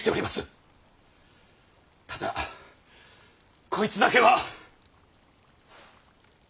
ただこいつだけは！